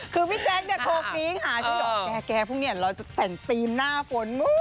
คือพี่แจ๊กเนี่ยโค้กนี้ค่ะพรุ่งนี้เราจะแต่งตีมหน้าฝน